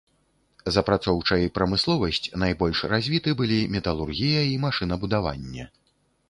З апрацоўчай прамысловасць найбольш развіты былі металургія і машынабудаванне.